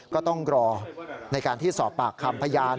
ก็ต้องรอในการที่สอบปากคำพยาน